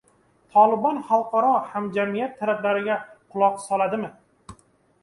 «Tolibon» xalqaro hamjamiyat talablariga quloq soladimi